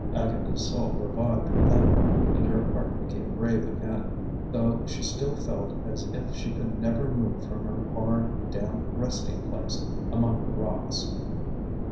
Agatha's soul revived within her, and her heart became brave again, though she still felt as if she could never move from her hard, damp resting place among the rocks.